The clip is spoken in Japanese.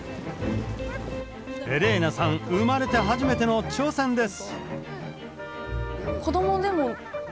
エレーナさん生まれて初めての挑戦です。